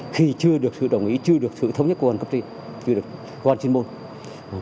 khi chưa được sự đồng ý chưa được sự thống nhất của quân cấp tiên chưa được quân chuyên môn